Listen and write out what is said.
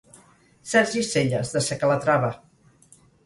Sergi Selles, de sa Calatrava.